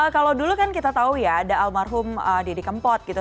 kalau dulu kan kita tahu ya ada almarhum didi kempot gitu